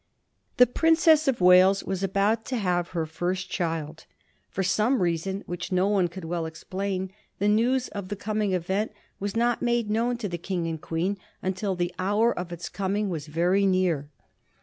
The Princess of Wales was about to have her first child. For some reason, which no one could well explain, the news of the coming event was not made known to the King and Queen until the hour of its coming was very near.